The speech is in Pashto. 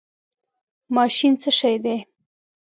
ماشین څه شی دی؟